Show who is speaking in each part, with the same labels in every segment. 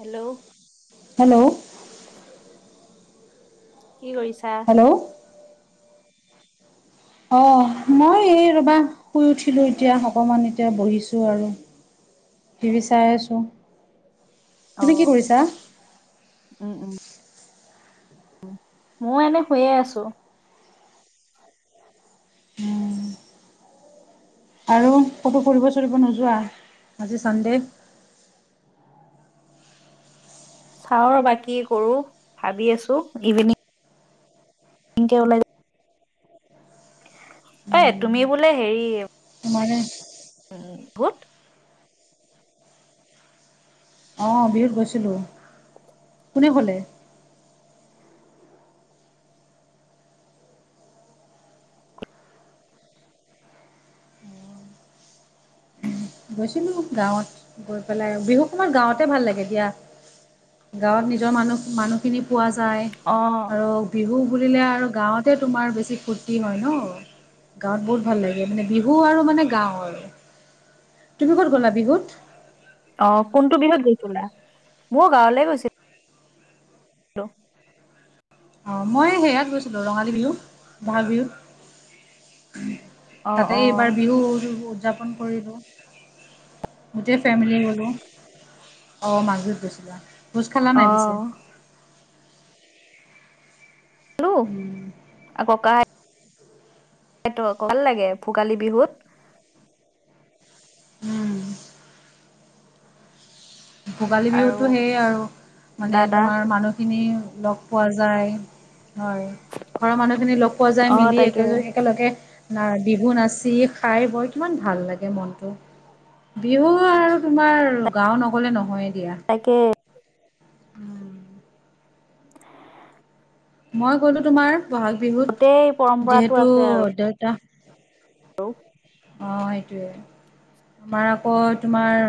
Speaker 1: Hello
Speaker 2: hello
Speaker 1: কি কৰিছা?
Speaker 2: Hello, অ, মই এই ৰবা শুই উঠিলোঁ এতিয়া অকমান এতিয়া বহিছোঁ আৰু। [inaudible] বিচাৰে আছোঁ।
Speaker 1: অ,
Speaker 2: তুমি কি কৰিছা
Speaker 1: উম, উম, মই এনে শুয়ে আছোঁ।
Speaker 2: আৰু ক'তো ফুৰিব চুৰিব নোযোৱা আজি চানডে?
Speaker 1: চাওঁ বাকী কৰো ভাবি আছোঁ ইভিনিং [inaudible] এ, তুমি বোলে হেৰি
Speaker 2: [inaudible]
Speaker 1: উম বহুত [unintelligible]
Speaker 2: অ' বিহুত গৈছিলো, কোনে ক'লে। গৈছিলো গাঁৱত গৈ পেলাই বিহু সমত গাঁৱতে ভাল লাগে দিয়া। গাঁৱত নিজৰ মানুহ মানুহখিনি পোৱা
Speaker 1: অ
Speaker 2: যায় আৰু বিহু বুলিলে আৰু গাঁৱতে তোমাৰ বেছি ফূৰ্তি হয় ন। গাঁৱত বহুত ভাল লাগে, মানে বিহু আৰু মানে গাও আৰু। তুমি ক'ত গ'লা বিহুত।
Speaker 1: অ' কোনটো বিহুত গৈছিলা মই গাঁৱলে গৈছিলো। হেল্ল'
Speaker 2: অ' মই হেয়াত গৈছিলো ৰঙালী বিহু বহাগ বিহুত।
Speaker 1: অ
Speaker 2: তাতে
Speaker 1: অ
Speaker 2: এইবাৰ বিহু উদযাপন কৰিলোঁ। গোটেই ফেমিলি গ'লো অ' মাজুত গৈছিলা ভোজ খালা
Speaker 1: অ
Speaker 2: নাই পিছে।
Speaker 1: খালো,
Speaker 2: উম
Speaker 1: ককা সেইটো আকৌ ভাল লাগে, ভোগালী বিহুত।
Speaker 2: উম। ভোগালী
Speaker 1: আৰু
Speaker 2: বিহুতো সেয়ে আৰু মানে
Speaker 1: দাদা
Speaker 2: তোমাৰ মানু খিনি লগ পোৱা যায়। হয় ঘৰৰ মানুহ খিনি লগ পোৱা যায়
Speaker 1: অ
Speaker 2: মিলি
Speaker 1: তাকে
Speaker 2: একে একেলগে ন বিহু নাচি খাই বৈ কিমান ভাল লাগে মনতটো। বিহু আৰু তোমাৰ গাওঁ নগলে নহয়ে দিয়া।
Speaker 1: তাকে।
Speaker 2: মই গ'লো তোমাৰ বহাগ
Speaker 1: গোটেই
Speaker 2: বিহুত
Speaker 1: পৰম্পৰাটো
Speaker 2: যিহেতু দেউতা
Speaker 1: হেল্ল'
Speaker 2: অ' সেইটোৱে।
Speaker 1: [inaudible]
Speaker 2: তোমাৰ আকৌ তোমাৰ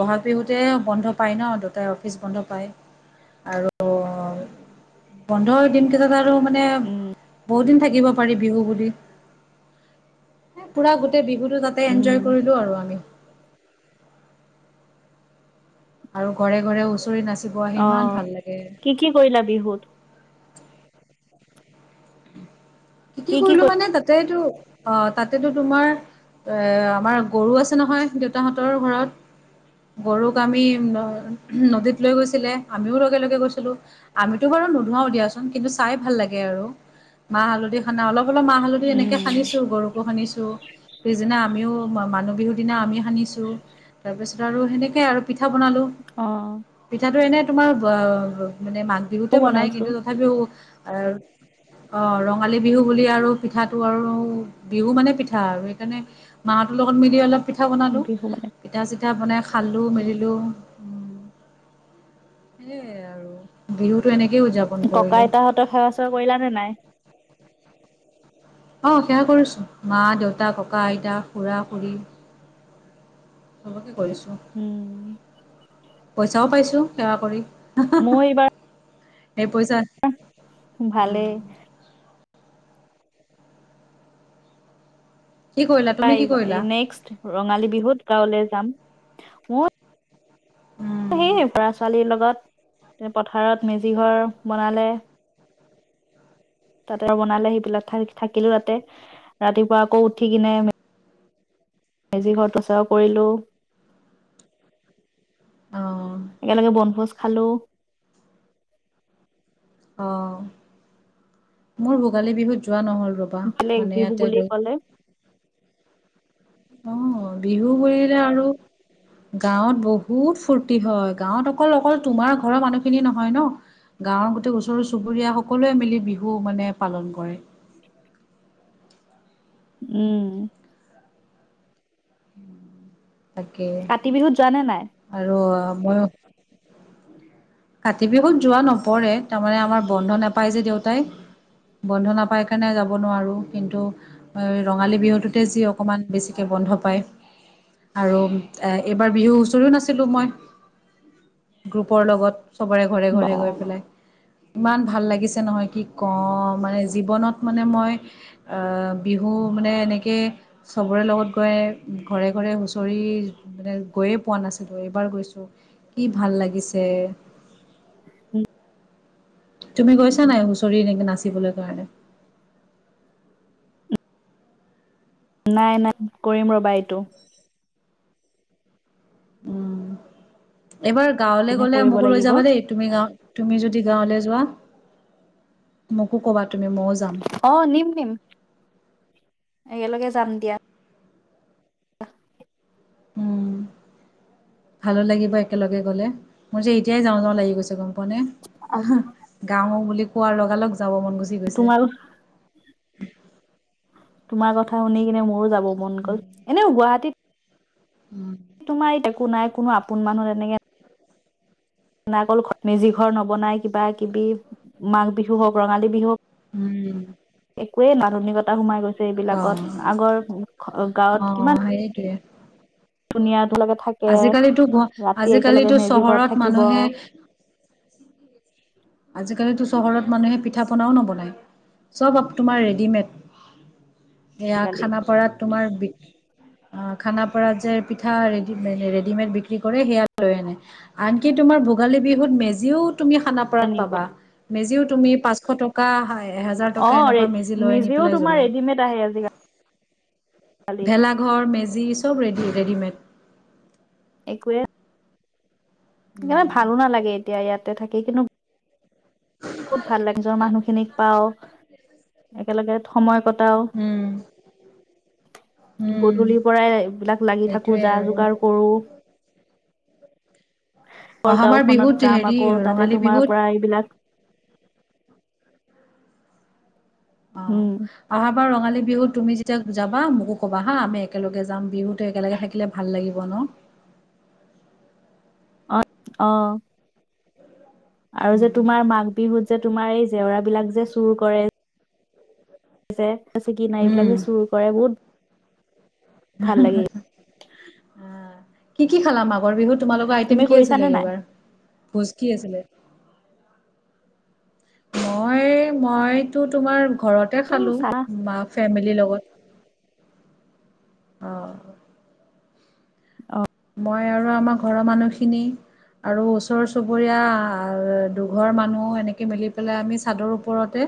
Speaker 2: বহাগ বিহুতে বন্ধ পায় ন দুতাই অফিচ বন্ধ পায়। আৰু বন্ধ দিন কেইতাত আৰু মানে
Speaker 1: উম
Speaker 2: বহুত দিন থাকিব পাৰি বিহু বুলি পুৰা গোটেই বিহুত তাতে
Speaker 1: উম
Speaker 2: এনজয় কৰিলো আৰু আমি। আৰু ঘৰে ঘৰে হুচৰি নাচিব আহে,
Speaker 1: অ
Speaker 2: ইিমান ভাল লাগে।
Speaker 1: কি কি কৰিলা বিহুত?
Speaker 2: কি কি কৰিলো মানে তাতেটো অ' তাতেতো তোমাৰ এ আমাৰ গৰু আছে নহয় দেউতাহঁতৰ ঘৰত। গৰুক আমি নদীত লৈ গৈছিলে আমিও লগে লগে গৈছিলোঁ। আমিতো বাৰু নোধুৱাও দিয়াচোন কিন্তু চাই ভাল লাগে আৰু মাহ হালধি খানা অলপ অলপ মাহ হালধি এনেকে
Speaker 1: উম
Speaker 2: খানিছো গৰুকো খানিছো। পিছদিনা আমিও মানুহ বিহুৰ দিনা আমি সানিছোঁ তাৰপিছত আৰু সেনেকে আৰু পিঠা বনালো,
Speaker 1: অ
Speaker 2: পিঠাটো এনে তোমাৰ ব মানে মা বিহুতে
Speaker 1: মইও
Speaker 2: বনাই
Speaker 1: বনাইছো
Speaker 2: কিন্তু, তথাপিও অ' ৰঙালী বিহু বুলি আৰু পিঠাটো আৰু বিহু মানে পিঠা আৰু সেইকাৰণে মাহতৰ লগত মিলি অলপ পিঠা বনালোঁ
Speaker 1: বিহু বনাই
Speaker 2: পিঠা চিঠা বনাই খালোঁ মেলিলোঁ উ সেইয়ে আৰু বিহুতটো এনেকেইও উদযাপন
Speaker 1: ককা
Speaker 2: কৰিলোঁ
Speaker 1: আইতাহঁতক সেৱা চেৱা কৰিলা নে নাই?
Speaker 2: অ' সেয়া কৰিছো মা দেউতা ককা আইতা খুৰা খুুৰী। চবকে কৰিছোঁ।
Speaker 1: উম।
Speaker 2: পইচাও পাইছো সেৱা কৰি।
Speaker 1: মই এইবাৰ
Speaker 2: এই পইছা
Speaker 1: ভালেই।
Speaker 2: কি কৰিলা তুমি কি
Speaker 1: পাই
Speaker 2: কৰিলা?
Speaker 1: নেক্সট ৰঙালী বিহুত গাঁৱলৈ যাম।
Speaker 2: উম।
Speaker 1: সেয়ে, ল'ৰা ছোৱালীৰ লগত পথাৰত মেজি ঘৰ বনালে তাতে আৰু বনালে সেই বিলাক থাইত থাকিলো তাতে। ৰাতিপুৱা আকৌ উঠি কিনে মেজি ঘৰত প্ৰচাৰও কৰিলোঁ।
Speaker 2: অ'।
Speaker 1: একেলগে বনভোজ খালো।
Speaker 2: অ', মোৰ ভোগালী বিহুত যোৱা নহল ৰবা
Speaker 1: বেলেগ
Speaker 2: মানে
Speaker 1: বিহু
Speaker 2: ইয়াতে
Speaker 1: বুলি
Speaker 2: লৈ
Speaker 1: ক'লে
Speaker 2: অ', বিহু বোলিলে আৰু গাঁৱত বহুত ফূৰ্তি হয়। গাঁৱত অকল অকল তোমাৰ ঘৰৰ মানুহখিনিয়ে নহয় ন। গাঁৱৰ গোটেই ওচৰ চুবুৰীয়া সকলোৱে মিলি বিহু মানে পালন কৰে।
Speaker 1: উম।
Speaker 2: তাকে
Speaker 1: কাতি বিহুত যোৱা নে নাই?
Speaker 2: আৰু মই কাতি বিহুত যোৱা নপৰে, তাৰমানে আমাৰ বন্ধ নাপায় যে দেউতাই। বন্ধ নাপাই কাৰণে যাব নোৱাৰোঁ কিন্তু ৰঙালী বিহুটোতে যি অকণমান বেছিকৈ বন্ধ পায়। আৰু এইবাৰ বিহু হুঁচৰিও নাচিলো মই গ্ৰুপৰ লগত। সবৰে ঘৰে ঘৰে
Speaker 1: বাহ
Speaker 2: গৈ পেলাই ইমান ভাল লাগিছে নহয় কি কওঁ মানে জীৱনত মানে মই বিহু মানে এনেকৈ চবৰে লগত গৈ ঘৰে ঘৰে চৰি মানে গৈয়ে পোৱা নাছিলোঁ এইবাৰ গৈছোঁ কি ভাল লাগিছে।
Speaker 1: উম।
Speaker 2: তুমি গৈছা নাই হুঁচৰি এনেকে নাচিবলৈ কাৰণে?
Speaker 1: নাই নাই কৰিম ৰবা এইটো।
Speaker 2: উম, এইবাৰ গাঁৱলৈ
Speaker 1: কিনে
Speaker 2: গলে
Speaker 1: কৰিব
Speaker 2: মোকো লৈ
Speaker 1: লাগিব
Speaker 2: যাবা দেই। তুমি যদি গাঁৱ লৈ যোৱা মোকো ক'বা তুমি ময়ো যাম।
Speaker 1: অ', নিম নিম একেলগে যাম দিয়া।
Speaker 2: উম, ভালো লাগিব একেলগে গ'লে মোৰ যে এতিয়াই যাওঁ যাওঁ লাগি গৈছে গম হ'বনে গাঁও বুলি কোৱাৰ লগালগ যাব মন গুচি গৈছে।
Speaker 1: তোমাৰ তোমাৰ কথা শুনি কিনে মোৰো যাব মন গ'ল এনেও গুৱাহাটীত
Speaker 2: উম।
Speaker 1: তোমাৰ ই একো নাই কোনো আপোন মানুহ তেনেকে নাগল ঘত, মেজি ঘৰ নবনাই কিবা কিবি মাঘ বিহু হওক ৰঙালী বিহু।
Speaker 2: উম।
Speaker 1: একোৱেই মানুনিকতা সোমাই গৈছে
Speaker 2: অ
Speaker 1: এইবিলাকত আগৰ গাঁৱত কিমান?
Speaker 2: অ', এইটোৱে।
Speaker 1: ধুনীয়া টো লকে থাকে
Speaker 2: আজিকালিতো গুৱা
Speaker 1: ৰাতি একেলগে
Speaker 2: আজিকালিতো
Speaker 1: মেজি ঘৰত
Speaker 2: চহৰত
Speaker 1: থাকিব।
Speaker 2: মানুহে আজিকালিতো চহৰত মানুহে পিঠা পনাও নবনায়, চব তোমাৰ ৰেডিমেড। এয়া
Speaker 1: আজিকালি
Speaker 2: খানাপাৰাত তোমাৰ বি অ', খানাপাৰাত যে পিঠা ৰেডিমে-ৰেডিমেড বিক্ৰী কৰে সেয়া লৈ আনে। আনকি তোমাৰ ভোগালী বিহুত মেজিও তুমি খানাপ
Speaker 1: নিব
Speaker 2: পাবা মেজিও তুমি পাঁচশ টকা এ হেজাৰ টকা এনেকুৱা মেজি লৈ আনি পেলাই জ্বলাই।
Speaker 1: চা হেলজিগা।
Speaker 2: ভেলাঘৰ মেজি চব ৰেডি ৰেডিমেড।
Speaker 1: একোৱে সেইয়া
Speaker 2: উম,
Speaker 1: ভালো নালাগে এতিয়া ইয়াতে থাকি কিনো
Speaker 2: [unintelligible]
Speaker 1: বহুত ভাল লাগি নিজৰ মানুহখিনিক পাওঁ একেলগেত সময় কটাও।
Speaker 2: উম।
Speaker 1: গধূলিৰ পৰাই এইবিলাক লাগি থাকো
Speaker 2: সেইটোৱে
Speaker 1: যা
Speaker 2: আৰু।
Speaker 1: যোগাৰ কৰো। অকল
Speaker 2: অহাবাৰ
Speaker 1: গাওখনত
Speaker 2: বিহুত
Speaker 1: যাম
Speaker 2: হেৰি
Speaker 1: আকৌ তাতে
Speaker 2: ৰঙালী
Speaker 1: তোমাৰ
Speaker 2: বিহুত
Speaker 1: পৰা এইবিলাক উ
Speaker 2: আহা বাৰ ৰঙালী বিহু তুমি যেতিয়া যাবা মোকো ক'বা হা আমি একেলগে যাম বিহুতো একেলগে থাকিলে ভাল লাগিব ন
Speaker 1: অ অ আৰু যে তোমাৰ মাঘ বিহুত যে তোমাৰ এই জেওৰা বিলাক যে চুৰ কৰে কি নাই এইবিলাকে
Speaker 2: উম।
Speaker 1: চুৰ কৰে বহুত ভাল লাগে
Speaker 2: কি কি খালা মঘৰ বিহুত তোমালোকৰ
Speaker 1: তুমি
Speaker 2: আইটেম কি
Speaker 1: কৰিছানে
Speaker 2: আছিলে
Speaker 1: নাই
Speaker 2: এইবাৰ ভোজ কি আছিলে মই মইতো তোমাৰ ঘৰতে
Speaker 1: এইটো
Speaker 2: খালো
Speaker 1: চাহ
Speaker 2: মাক ফেমিলিৰ লগত অ
Speaker 1: অ
Speaker 2: মই আৰু আমাৰ ঘৰৰ মানুহখিনি আৰু ওচৰ চুবুৰীয়া দুঘৰ মানুহ এনেকৈ মিলি পেলাই আমি চাদৰ ওপৰতে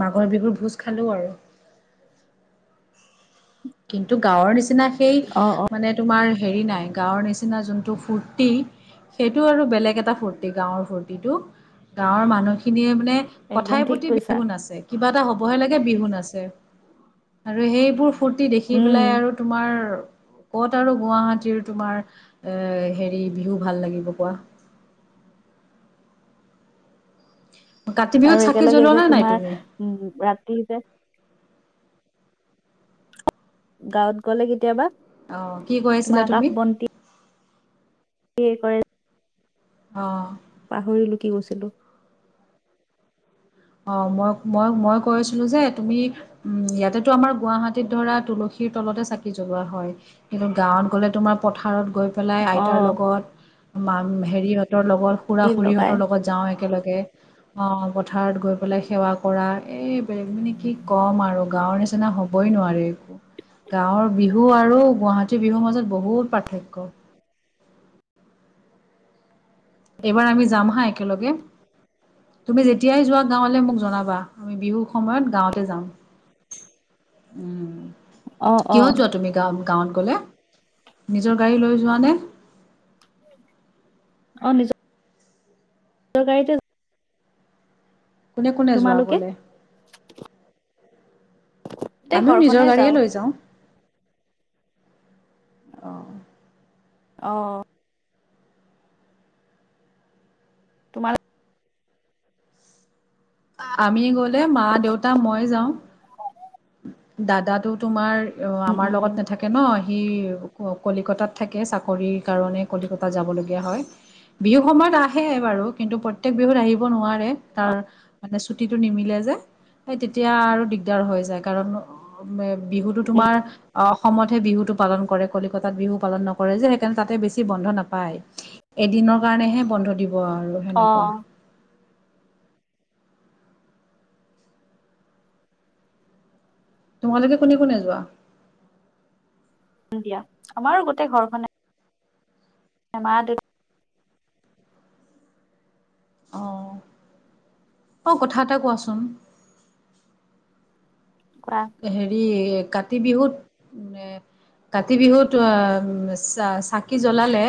Speaker 2: মাঘৰ বিহুৰ ভোজ খালো আৰু কিন্তু গাঁৱৰ নিচিনা সেই
Speaker 1: অ অ
Speaker 2: মানে তোমাৰ হেৰি নাই গাঁৱৰ নিচিনা যোনটো ফূৰ্তি সেইটো আৰু বেলেগ এটা ফূুৰ্তি গাঁৱৰ ফূৰ্তিটো গাঁৱৰ মানুহখিনিয়ে মানে
Speaker 1: একদম
Speaker 2: কথাই
Speaker 1: ঠিক
Speaker 2: প্ৰতি
Speaker 1: কৈছা
Speaker 2: বিহু নাচে কিবা এটা হ'বহে লাগে বিহু নাছে আৰু সেইবোৰ ফূৰ্তি দেখি
Speaker 1: উম
Speaker 2: পেলাই আৰু তোমাৰ ক'ত আৰু গুৱাহাটীৰ তোমাৰ এ হেৰি বিহু ভাল লাগিব কোৱা কাতি বিহুত
Speaker 1: আৰু
Speaker 2: চাকি
Speaker 1: একেলগে
Speaker 2: জ্বলোৱা
Speaker 1: যে
Speaker 2: নে নাই
Speaker 1: তোমাৰ
Speaker 2: তুমি
Speaker 1: উম ৰাতিও যে গাঁৱত গলে কেতিয়াবা
Speaker 2: অ কি কৈ
Speaker 1: তোমাৰ
Speaker 2: আছিলা তুমি
Speaker 1: কি কৰে
Speaker 2: অঁ
Speaker 1: পাহৰিলো কি গৈছিলো
Speaker 2: অ মই মই মই কৈছিলো যে তুমি উম ইয়াতেতো আমাৰ গুৱাহাটীত ধৰা তুলসীৰ তলতে চাকি জ্বলোৱা হয় কিন্তু গাঁৱত গ'লে তোমাৰ পথাৰত গৈ পেলাই আইতাৰ
Speaker 1: অ',
Speaker 2: লগত হেৰিঁতৰ লগত খুৰা
Speaker 1: তিল লগাই
Speaker 2: খুৰহতৰ লগত যাওঁ একেলগে অ পথাৰত গৈ পেলাই সেৱা কৰা এই প্ৰেম নে কি কম আৰু গাৱৰ নিচিনা হ হবই নোৱাৰে গাঁৱৰ বিহু আৰু গুৱাহাটীৰ বিহুৰ মাজত বহুত পাৰ্থক্য এইবাৰ আমি যাম হা একেলগে তুমি যেতিয়াই যোৱা গাঁৱলৈ মোক জনাবা আমি বিহুৰ সময়ত গাঁৱতে যাম
Speaker 1: অ',
Speaker 2: [inaudible]
Speaker 1: অ',
Speaker 2: কিহত যোৱা তুমি গা গাঁৱত গলে নিজৰ গাড়ী লৈ যোৱা নে
Speaker 1: অ নিজ নিজৰ গাড়ীতে
Speaker 2: কোনে কোনে যোৱা
Speaker 1: তোমালোকে?
Speaker 2: গলে
Speaker 1: গোটেই
Speaker 2: আমিও
Speaker 1: ঘৰখনে
Speaker 2: নিজৰ গাড়ীয়ে লৈ যাওঁ অঁ
Speaker 1: অঁ তোমাৰ
Speaker 2: আমি গলে মা দেউতা মই যাওঁ দাদা টো তোমাৰ অ
Speaker 1: উম,
Speaker 2: আমাৰ
Speaker 1: উম,
Speaker 2: লগত নাথাকে নয় সি কলিকতাত থাকে চাকৰিৰ কাৰণে কলিকতাত যাবলগীয়া হয় বিহু সময়ত আহে বাৰু কিন্তু প্ৰত্যয়েক বিহুত আহিব নোৱাৰে সে তাৰ
Speaker 1: অ',
Speaker 2: মানে ছুটটো নিমিলে যে সেই তেতিয়া আৰু দিগদাৰ হৈ যায় কাৰণ বিহুতো
Speaker 1: উম।
Speaker 2: তোমাৰ, অ' অসমতহে বিহুতো পালন কৰে কলিকতাত বিহু পালন নকৰে যে, সেইকাৰণে তাতে বেছি বন্ধ নাপায়। এদিনৰ কাৰণেহে বন্ধ দিব আৰু সেনেকুৱা।
Speaker 1: অ',
Speaker 2: তোমালোকে কোনে কোনে যোৱা?
Speaker 1: দিয়া। আমাৰো গোটেই ঘৰখনে মা দেও
Speaker 2: অ' অ' কথা এটা কোৱাচোন?
Speaker 1: কোৱা?
Speaker 2: হেৰি কাতি বিহুত কাতি বিহুত অ' চা চাকি জ্বলালে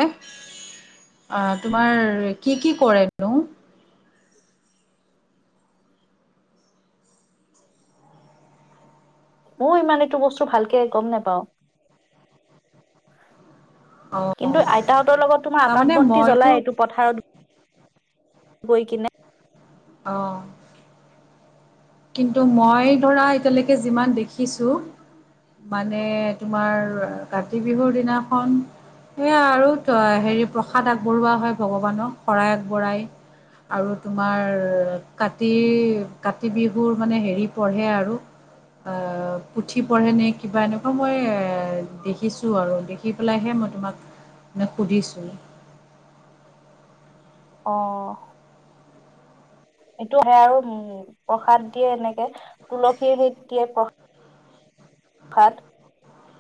Speaker 2: তোমাৰ কি কি কৰেনো?
Speaker 1: মওঁ ইমান এইটো বস্তু ভালকে গ'ম নোপাওঁ।
Speaker 2: অ
Speaker 1: কিন্তু আইতাহঁতৰ লগত তোমাৰ আকাশ
Speaker 2: তাৰমানে
Speaker 1: বন্তি
Speaker 2: মইতো
Speaker 1: জ্বলাওঁ, এইটো পথাৰত গৈকিনে।
Speaker 2: অ'। কিন্তু মই ধৰা এতিয়ালৈকে যিমান দেখিছোঁ মানে তোমাৰ কাতি বিহুৰ দিনাখন সেয়া আৰু হেৰি প্ৰসাদ আগবঢ়োৱা হয় ভগৱানক শৰাই আগবঢ়াই আৰু তোমাৰ কাতি কাতি বিহু বোৰ মানে হেৰি পঢ়ে আৰু। অ' পুথি পঢ়ে নে কিবা এনেকুৱা মই এ দেখিছো আৰু। খি পেলাইহে মই তোমাক মে সুধিছোঁ?
Speaker 1: অ'। সেটো হয়, আৰু উম প্ৰসাদ দিয়ে এনেকে তুলসীৰ গুৰিত দিয়ে প্ৰসাদ সাদ।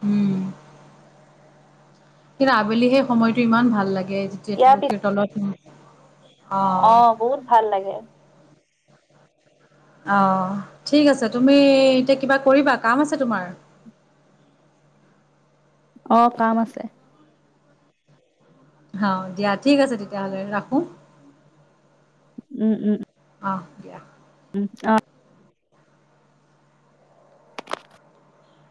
Speaker 2: উম। কিন্তু আবেলি সেই সময়তটো ইমান ভাল লাগে, যেতিয়া
Speaker 1: দিয়াৰ পিছত
Speaker 2: তুলসীৰ তলত অঁ
Speaker 1: অ' বহুত ভাল লাগে।
Speaker 2: অঁ ঠিক আছে। তুমি এতিয়া কিবা কৰিবা কাম আছে তোমাৰ?
Speaker 1: অ' কাম আছে।
Speaker 2: হা দিয়া ঠিক আছে তেতিয়াহ'লে। ৰাখো?
Speaker 1: উম উম।
Speaker 2: অ' দিয়া।
Speaker 1: উম অ'।